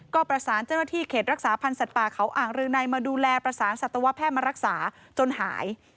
ก็ประสานเจ้าหน้าที่เขตรักษาพันธ์สัตว์ป่าเขาอ่างรือในมาดูแลประสานสัตวแพทย์มารักษาจนหาย